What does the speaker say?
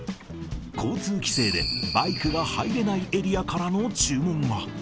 交通規制でバイクが入れないエリアからの注文が。